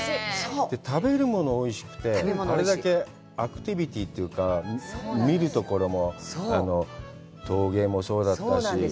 食べるものがおいしくて、あれだけアクティビティというか、見るところも、陶芸もそうだったし。